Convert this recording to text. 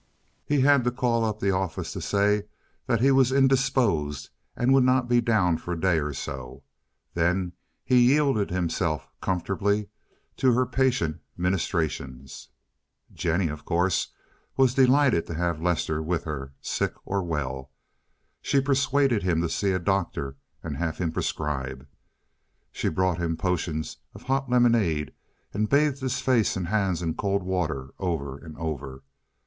He had to call up the office to say that he was indisposed and would not be down for a day or so; then he yielded himself comfortably to her patient ministrations. Jennie, of course, was delighted to have Lester with her, sick or well. She persuaded him to see a doctor and have him prescribe. She brought him potions of hot lemonade, and bathed his face and hands in cold water over and over.